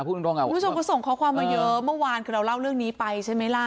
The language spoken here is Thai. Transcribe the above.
ตรงคุณผู้ชมก็ส่งข้อความมาเยอะเมื่อวานคือเราเล่าเรื่องนี้ไปใช่ไหมล่ะ